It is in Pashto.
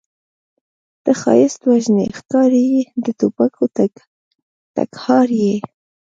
ته ښایست وژنې ښکارې یې د توپکو ټکهار یې